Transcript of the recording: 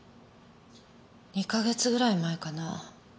２か月ぐらい前かな。